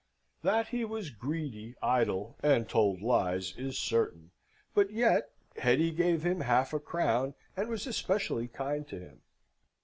That he was greedy, idle, and told lies, is certain; but yet Hetty gave him half a crown, and was especially kind to him.